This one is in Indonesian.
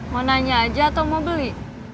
mau nanya aja atau mau beli